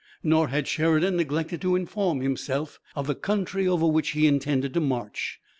Nor had Sheridan neglected to inform himself of the country over which he intended to march.